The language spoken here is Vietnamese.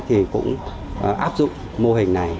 thì cũng áp dụng mô hình này